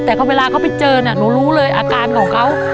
แต่เวลาเขาไปเจอเนี่ยหนูรู้เลยอาการของเขา